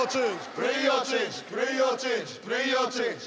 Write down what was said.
プレーヤーチェンジプレーヤーチェンジプレーヤーチェンジ。